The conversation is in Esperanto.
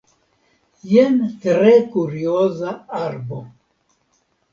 Jen tre kurioza arbo.